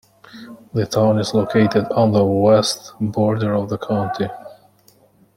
The town is located on the west border of the county.